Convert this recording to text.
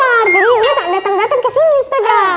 jadi dia nggak datang datang ke sini ustazah